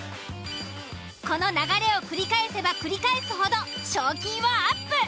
この流れを繰り返せば繰り返すほど賞金はアップ。